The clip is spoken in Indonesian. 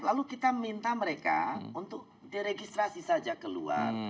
lalu kita minta mereka untuk diregistrasi saja keluar